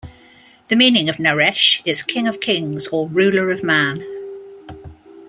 The meaning of Naresh is "King of Kings" or "Ruler of Man".